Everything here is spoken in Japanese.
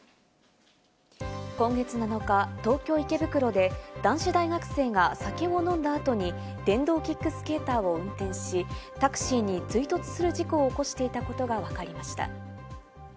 今月７日、東京・池袋で男子大学生が酒を飲んだ後に電動キックスケーターを運転し、タクシーに追突する事故を起こしていたことがわかりました。